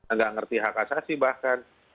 nggak ngerti hak asasi bahkan